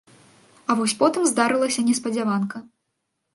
А вось потым здарылася неспадзяванка.